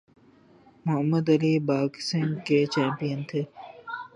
محمد Ali boxing کے champion تھے۔